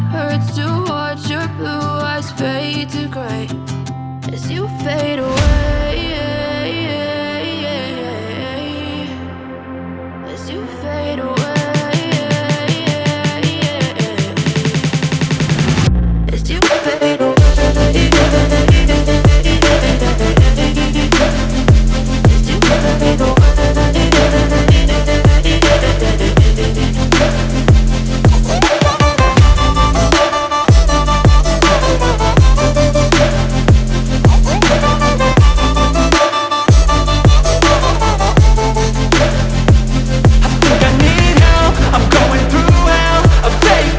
terlalu sakit untuk melihat